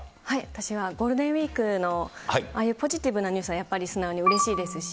私はゴールデンウィークの、ああいうポジティブなニュースは、やっぱり素直にうれしいですし。